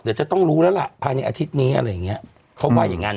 เดี๋ยวจะต้องรู้แล้วล่ะภายในอาทิตย์นี้อะไรอย่างเงี้ยเขาว่าอย่างงั้น